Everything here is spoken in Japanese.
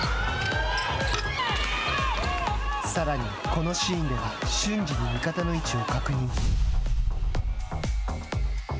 さらに、このシーンでは瞬時に味方の位置を確認。